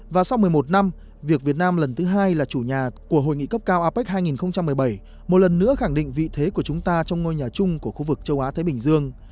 và sau một mươi một năm việc việt nam lần thứ hai là chủ nhà của hội nghị cấp cao apec hai nghìn một mươi bảy một lần nữa khẳng định vị thế của chúng ta trong ngôi nhà chung của khu vực châu á thái bình dương